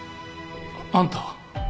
あんたは？